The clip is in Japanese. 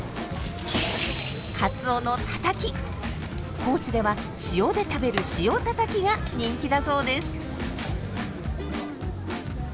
高知では塩で食べる「塩たたき」が人気だそうです。